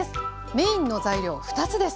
メインの材料２つです。